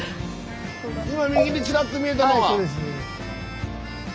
今右にちらっと見えたのが。